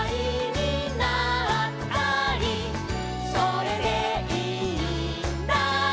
「それでいいんだ」